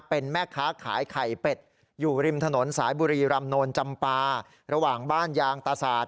เป็นแม่ค้าขายไข่เป็ดอยู่ริมถนนสายบุรีรำโนนจำปาระหว่างบ้านยางตะสาด